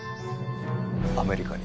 アメリカに。